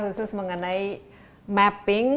khusus mengenai mapping